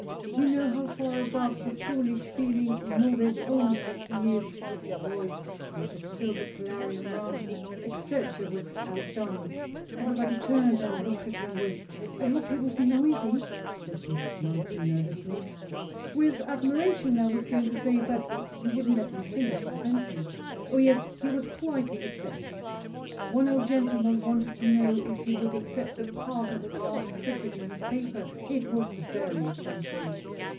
You know how far above the foolish feeling, mauvaise honte, he is; his voice 'like a silver clarion rung.' Excelsior was outdone. Everybody turned and looked at him with " "I hope he wasn't noisy," says Mrs. Monkton, nervously. "With admiration, I was going to say, but you wouldn't let me finish my sentence. Oh, yes, he was quite a success. One old gentleman wanted to know if he would accept the part of art critic on his paper. It was very exciting."